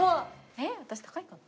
えっ私高いかな？